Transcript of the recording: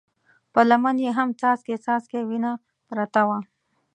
پر لمن يې هم څاڅکی څاڅکی وينه پرته وه.